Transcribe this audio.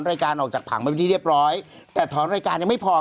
รายการออกจากผังไปเป็นที่เรียบร้อยแต่ถอนรายการยังไม่พอ